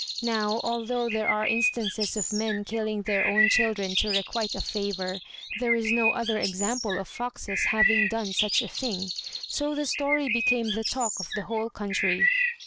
Now, although there are instances of men killing their own children to requite a favour, there is no other example of foxes having done such a thing; so the story became the talk of the whole country.